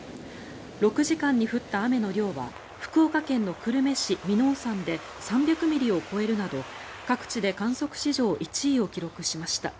６時間に降った雨の量は福岡県の久留米市・耳納山で３００ミリを超えるなど各地で観測史上１位を記録しました。